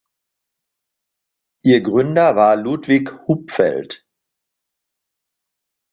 Ihr Gründer war Ludwig Hupfeld.